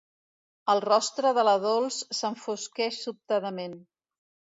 El rostre de la Dols s'enfosqueix sobtadament.